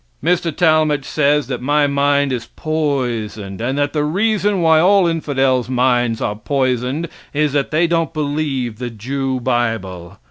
Mr. Talmage says that my mind is poisoned, and that the reason why all infidels' minds are poisoned is that they don't believe the Jew bible.